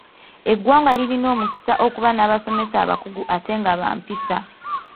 Eggwanga lirina omukisa okuba n'abasomesa abakugu ate nga ba mpisa.